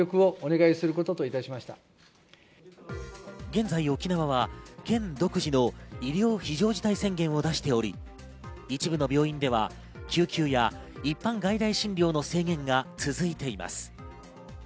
現在、沖縄は県独自の医療非常事態宣言を出しており、一部の病院では救急や一般外来診療の制限が続いています。